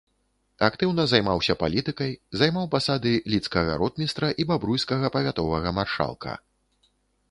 Актыўна займаўся палітыкай, займаў пасады лідскага ротмістра і бабруйскага павятовага маршалка.